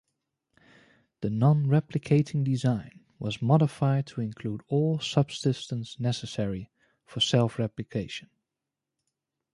The non-replicating design was modified to include all subsystems necessary for self-replication.